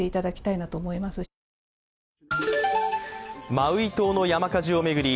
マウイ島の山火事を巡り